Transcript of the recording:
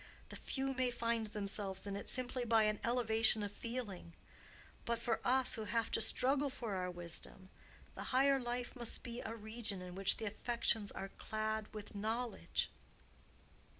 The few may find themselves in it simply by an elevation of feeling; but for us who have to struggle for our wisdom, the higher life must be a region in which the affections are clad with knowledge."